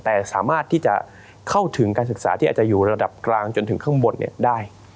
แต่สามารถที่จะเข้าถึงการศึกษาที่อาจจะอยู่ระดับกลางจนถึงข้างบนได้